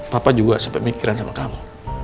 papa juga sampai mikirin sama kamu